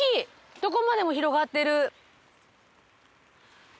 どこまでも広がってる。